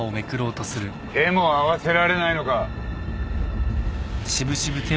手も合わせられないのか。